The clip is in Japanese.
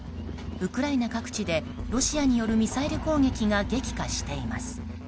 ウクライナ各地でロシアによるミサイル攻撃が激化しています。